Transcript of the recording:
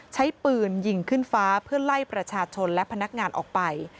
ใช้ปืนยิงขึ้นฟ้าเพื่อไล่ประชาชนและพนักงานออกไป